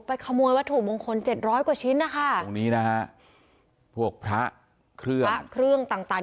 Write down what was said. ขโมยวัตถุมงคลเจ็ดร้อยกว่าชิ้นนะคะตรงนี้นะฮะพวกพระเครื่องพระเครื่องต่างต่าง